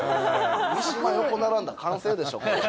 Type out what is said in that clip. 三島横並んだら完成でしょ。